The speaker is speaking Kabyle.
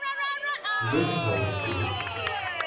Ǧǧan-tt ɣer deffir.